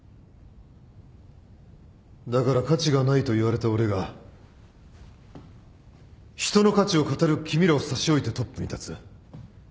だから価値がないと言われた俺が人の価値を語る君らを差し置いてトップに立つ。